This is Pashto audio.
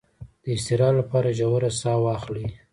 د اضطراب لپاره ژوره ساه واخلئ